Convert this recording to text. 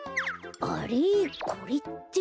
あれこれって？